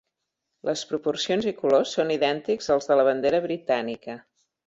Les proporcions i colors són idèntics als de la bandera britànica.